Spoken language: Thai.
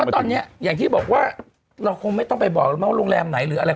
ตอนนี้อย่างที่บอกว่าเราคงไม่ต้องไปบอกแล้วนะว่าโรงแรมไหนหรืออะไร